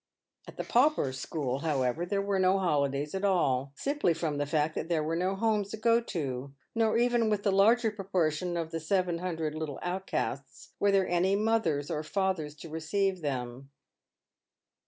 At the pauper school, however, there were no holidays at all, simply from the fact that there were no homes to go to, nor even with the larger proportion of the seven hundred little outcasts were there any mothers or fathers to receive them.